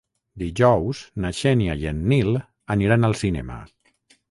Dijous na Xènia i en Nil aniran al cinema.